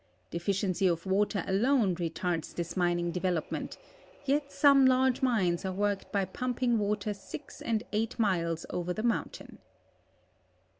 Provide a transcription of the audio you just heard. Defi ciency of water alone retards this mining development; yet some large mines are worked by pumping water six and eight miles over the mountain.